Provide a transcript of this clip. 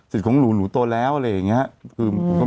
สิทธิ์ของหนูหนูโตแล้วอะไรแบบนี้